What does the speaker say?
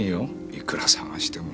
いくら探しても。